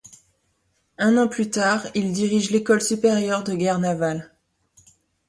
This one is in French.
Un an plus tard, il dirige l'École supérieure de guerre navale.